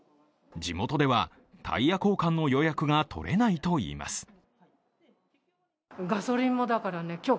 地元ではタイヤ交換の予約が取れないといいます。